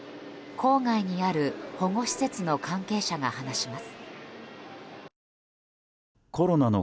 郊外にある保護施設の関係者が話します。